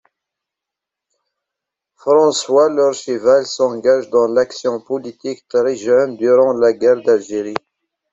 François d'Orcival s'engage dans l'action politique très jeune durant la guerre d'Algérie.